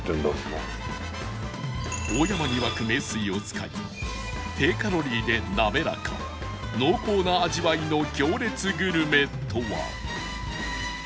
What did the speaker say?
大山に湧く名水を使い低カロリーで滑らか濃厚な味わいの行列グルメとは？